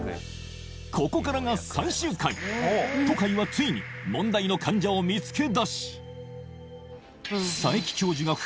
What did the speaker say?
ここからが最終回渡海はついに問題の患者を見つけ出し